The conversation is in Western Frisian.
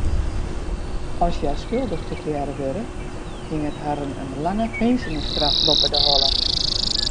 As hja skuldich ferklearre wurde, hinget harren in lange finzenisstraf boppe de holle.